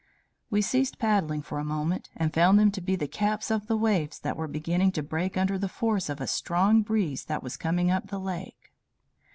We ceased paddling for a moment, and found them to be the caps of the waves that were beginning to break under the force of a strong breeze that was coming up the lake.